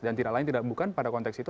dan tidak lain tidak bukan pada konteks itu